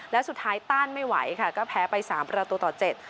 และสุดท้ายต้านไม่ไหวค่ะก็แพ้ไปสามประตูต่อเจ็ด